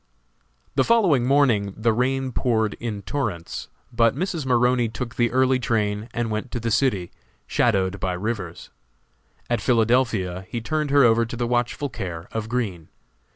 The following morning the rain poured in torrents, but Mrs. Maroney took the early train and went to the city, "shadowed" by Rivers. At Philadelphia he turned her over to the watchful care of Green.